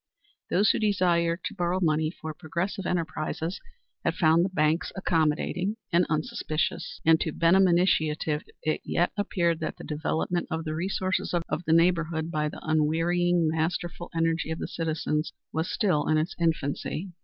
Those who desired to borrow money for progressive enterprises had found the banks accommodating and unsuspicious, and to Benham initiative it yet appeared that the development of the resources of the neighborhood by the unwearying, masterful energy of the citizens was still in its infancy.